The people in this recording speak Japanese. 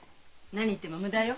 何言っても無駄よ。